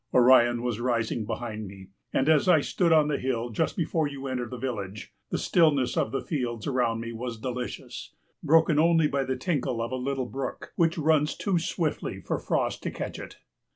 Orion was rising behind me, and, as I stood on the hill just before you enter the village, the stillness of the fields around me was delicious, broken only by the tinkle of a little brook which runs too swiftly for Frost to catch it.